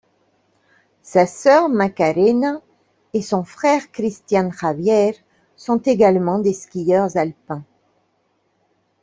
Sa sœur Macarena et son frère Cristian Javier sont également des skieurs alpins.